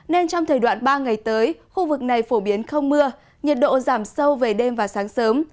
nên trong thời đoạn ba ngày tới khu vực này phổ biến không mưa nhiệt độ giảm sâu về đêm và sáng sớm